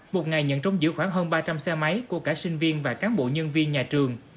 một ngày nhận trông giữ khoảng hơn ba trăm linh xe máy của cả sinh viên và cán bộ nhân viên nhà trường